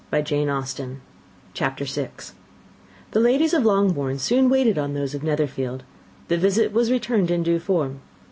The ladies of Longbourn soon waited on those of Netherfield. The visit was returned in due form.